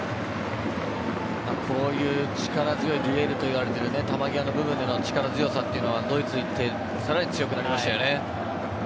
こういう力強いデュエルと言われている球際の部分での力強さはドイツに行ってさらに強くなりましたよね。